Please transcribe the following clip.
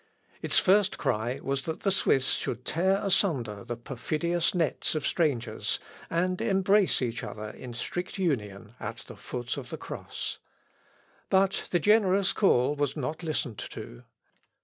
Its first cry was that the Swiss should tear asunder the perfidious nets of strangers, and embrace each other in strict union at the foot of the cross. But the generous call was not listened to.